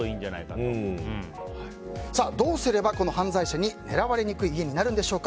どうすれば犯罪者に狙われにくい家になるんでしょうか。